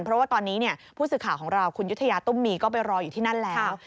เพราะว่าตอนนี้ผู้สื่อข่าวของเราคุณยุธยาตุ้มมีก็ไปรออยู่ที่นั่นแล้ว